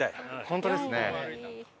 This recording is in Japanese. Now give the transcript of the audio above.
本当ですね。